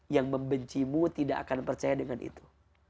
yang membencimu tidak akan percaya dengan itu